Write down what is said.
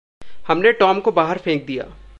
हमने टॉम को बाहर फेंक दिया।